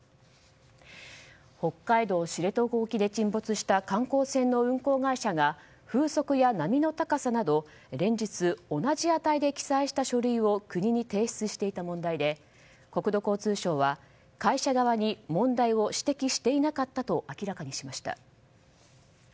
北海道知床沖で沈没した観光船の運航会社が風速や波の高さなど連日同じ値で記載した書類を国に提出していた問題で国土交通省は会社側に問題を指摘していなかったと明らかにしました。